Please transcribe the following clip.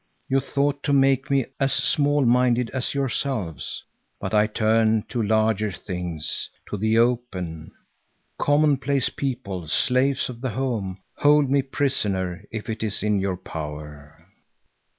You thought to make me as small minded as yourselves, but I turn to larger things, to the open. Commonplace people, slaves of the home, hold me prisoner if it is in your power!